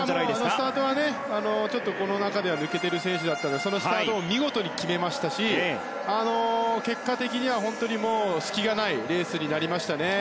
スタートはちょっとこの中では抜けている選手だったんですがそのスタートを見事に決めましたし結果的には隙がないレースになりましたね。